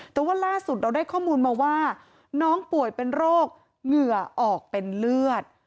แต่ว่าล่าสุดเราได้ข้อมูลมาว่าน้องป่วยเป็นโรคเหงื่อออกเป็นเลือด